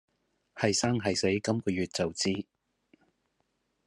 係生係死今個月就知